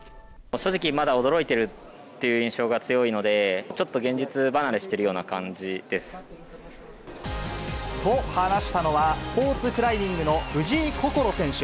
正直、まだ驚いてるっていう印象が強いので、ちょっと現実離れしていると話したのは、スポーツクライミングの藤井快選手。